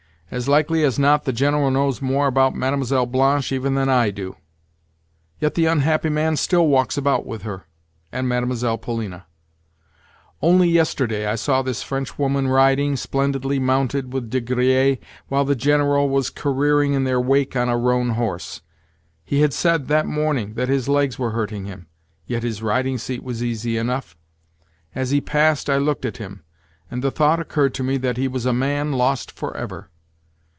As likely as not, the General knows more about Mlle. Blanche even than I do; yet the unhappy man still walks about with her and Mlle. Polina. Only yesterday I saw this Frenchwoman riding, splendidly mounted, with De Griers, while the General was careering in their wake on a roan horse. He had said, that morning, that his legs were hurting him, yet his riding seat was easy enough. As he passed I looked at him, and the thought occurred to me that he was a man lost for ever.